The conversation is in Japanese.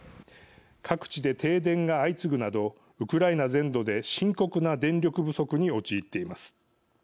各地で停電が相次ぐなどウクライナ全土で深刻な電力不足に陥っています。